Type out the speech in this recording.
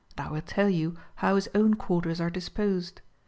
And 1 will tell you how his own (|uarters are disposed.